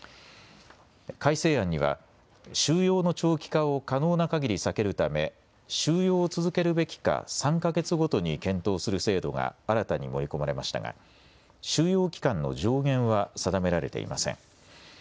改正案には収容の長期化を可能なかぎり避けるため収容を続けるべきか３か月ごとに検討する制度が新たに盛り込まれましたが収容期間の上限は定められていません。